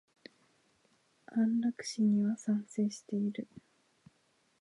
安楽死には賛成している。